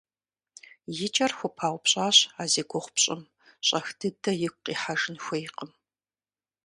И акӀэр хупаупщӀащ а зи гугъу пщӀым, щӀэх дыдэ игу къихьэжын хуейкъым.